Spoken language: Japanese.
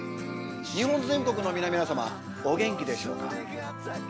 日本全国の皆々様お元気でしょうか。